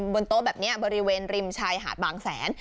บนโต๊ะแบบนี้บริเวณริมชายหาดบางแสน